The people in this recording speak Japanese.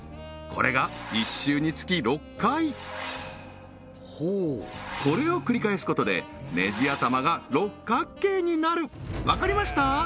これが１周につき６回これを繰り返すことでネジ頭が六角形になるわかりました？